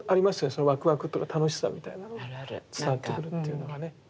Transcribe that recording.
そのわくわくとか楽しさみたいなのが伝わってくるっていうのがね。